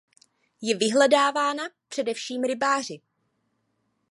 Je vyhledávaná především rybáři.